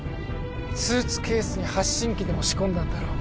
スーツケースに発信機でも仕込んだんだろう